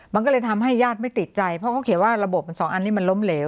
มันก็เลยทำให้ญาติไม่ติดใจเพราะเขาเขียนว่าระบบมันสองอันนี้มันล้มเหลว